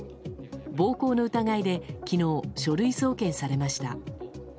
暴行の疑いで昨日、書類送検されました。